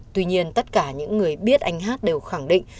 tuy nhiên tất cả những người biết anh hát đều khẳng định